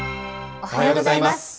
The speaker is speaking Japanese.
おはようございます。